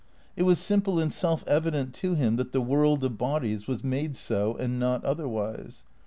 It was simple and self evident to him that the world of bodies was made so and not otherwise.